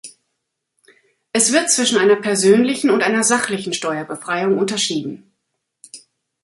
Es wird zwischen einer persönlichen und einer sachlichen Steuerbefreiung unterschieden.